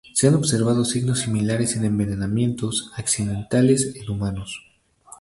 Se han observado signos similares en envenenamientos accidentales en humanos.